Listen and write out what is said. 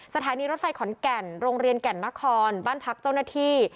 สถานีรถไฟขอนแก่นโรงเรียนแก่นนครบ้านพักเจ้าหน้าที่